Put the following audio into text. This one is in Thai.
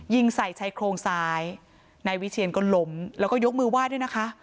ยิงใส่ชายโครงซ้ายนายวิเชียนก็ล้มแล้วก็ยกมือไหว้ด้วยนะคะ